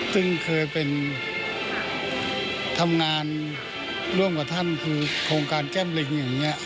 ซึ่งเคยเป็นทำงานร่วมกับท่านคือโครงการแก้มลิงอย่างนี้